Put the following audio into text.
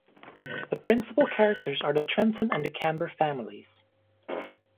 The principal characters are the Trenton and the Camber families.